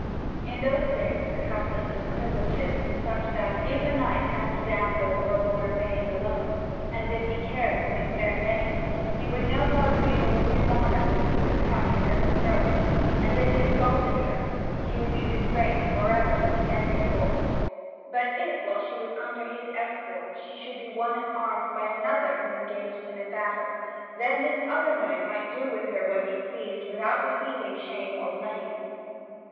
In those days the customs and privileges were such that, if a knight found a damsel or lorn maid alone, and if he cared for his fair name, he would no more treat her with dishonour than he would cut his own throat. And if he assaulted her, he would be disgraced for ever in every court. But if, while she was under his escort, she should be won at arms by another who engaged him in battle, then this other knight might do with her what he pleased without receiving shame or blame.